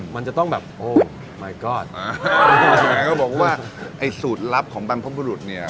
มันจะต้องแบบโอ้ไม้ก้อนไหนก็บอกว่าไอ้สูตรลับของบรรพบุรุษเนี่ย